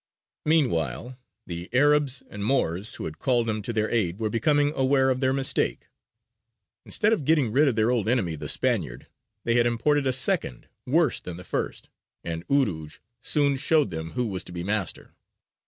Meanwhile, the Arabs and Moors who had called him to their aid were becoming aware of their mistake. Instead of getting rid of their old enemy the Spaniard, they had imported a second, worse than the first, and Urūj soon showed them who was to be master.